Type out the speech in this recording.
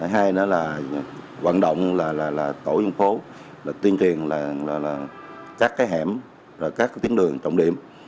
hai nữa là hoạt động tổ dân phố tuyên truyền các hẻm các tiến đường trọng điểm